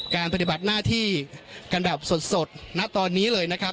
ปฏิบัติหน้าที่กันแบบสดณตอนนี้เลยนะครับ